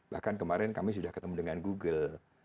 bahkan kemarin kami sudah ketemu dengan google